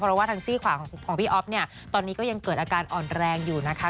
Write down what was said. เพราะว่าทางซี่ขวาของพี่อ๊อฟเนี่ยตอนนี้ก็ยังเกิดอาการอ่อนแรงอยู่นะคะ